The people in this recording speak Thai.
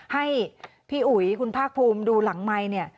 ให้พี่อุ๋ยคุณภาคภูมิดูหลังไมค์เนี่ย